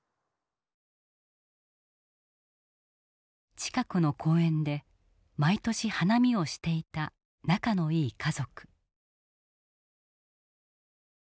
近くの公園で毎年花見をしていた仲のいい家族。